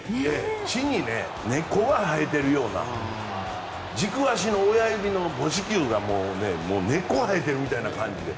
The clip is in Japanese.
地に根っこが生えているような軸足の親指の母指球が根っこが生えているみたいな感じで。